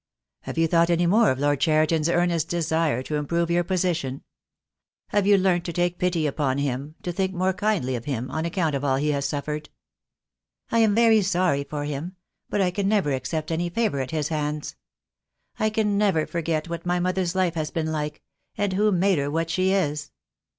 " "Have you thought any more of Lord Cheriton's earnest desire to improve your position? Have you learnt to take pity upon him, to think more kindly of him, on account of all he has suffered?" "I am very sorry for him — but I can never accept any favour at his hands. I can never forget what my mother's life has been like, and who made her what she is."